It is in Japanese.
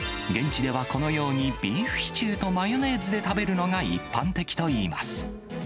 現地ではこのように、ビーフシチューとマヨネーズで食べるのが一般的といいます。